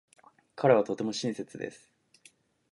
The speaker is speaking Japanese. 彼はとても親切です。